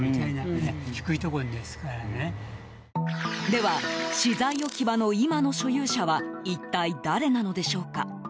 では、資材置き場の今の所有者は一体誰なのでしょうか。